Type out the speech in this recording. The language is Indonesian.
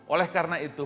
oleh karena itu